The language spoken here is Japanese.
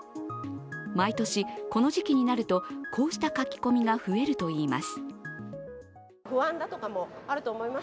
毎年、この時期になるとこうした書き込みが増えるといいます。